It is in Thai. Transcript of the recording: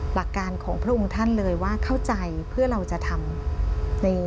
หลักการของพระองค์ท่านเลยว่าเข้าใจเพื่อเราจะทำใน